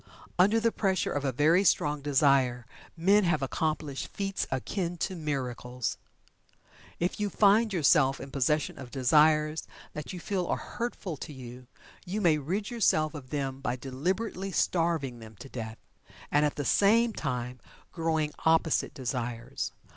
Under the pressure of a very strong Desire men have accomplished feats akin to miracles. If you find yourself in possession of desires that you feel are hurtful to you, you may rid yourself of them by deliberately starving them to death, and at the same time growing opposite desires.